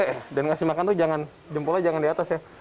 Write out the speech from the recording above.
eh dan kasih makan tuh jangan jempolnya jangan di atas ya